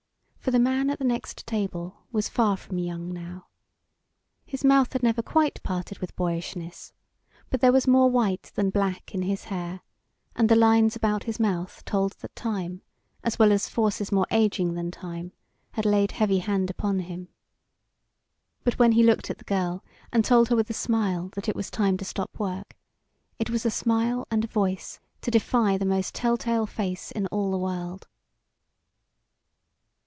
For the man at the next table was far from young now. His mouth had never quite parted with boyishness, but there was more white than black in his hair, and the lines about his mouth told that time, as well as forces more aging than time, had laid heavy hand upon him. But when he looked at the girl and told her with a smile that it was time to stop work, it was a smile and a voice to defy the most tell tale face in all the world.